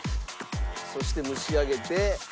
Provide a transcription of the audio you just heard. そして蒸し上げて。